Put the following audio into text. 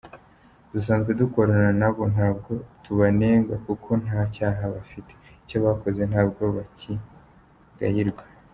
Dusanzwe dukorana n’abo, ntabwo tubanenga kuko nta cyaha bafite, icyo bakoze ntabwo bakigayirwa.